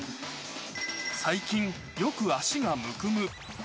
最近、よく足がむくむ。